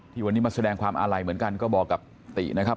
วันนี้มาแสดงความอาลัยเหมือนกันก็บอกกับตินะครับ